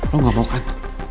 lo gak mau kan